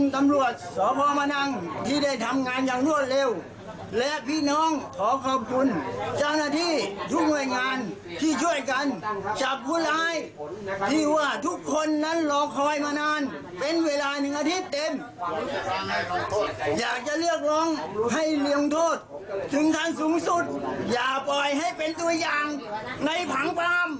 ถึงทางสูงสุดอย่าปล่อยให้เป็นตัวอย่างในผังปลาม